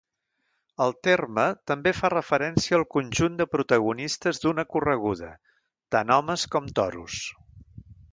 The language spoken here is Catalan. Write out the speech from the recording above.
El terme també fa referència al conjunt de protagonistes d'una correguda, tant homes com toros.